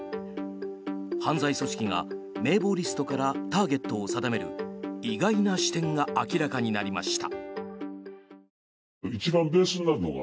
犯罪組織が名簿リストからターゲットを定める意外な視点が明らかになりました。